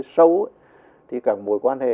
sâu thì cả mối quan hệ